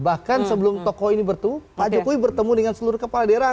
bahkan sebelum tokoh ini bertemu pak jokowi bertemu dengan seluruh kepala daerah